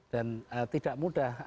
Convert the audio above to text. dan tidak mudah